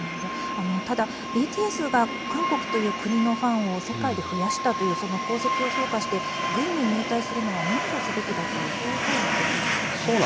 ただ、ＢＴＳが韓国という国のファンを世界で増やしたというその功績を評価して軍に入隊するのは免除すべきだというそういう声も出ていますよね。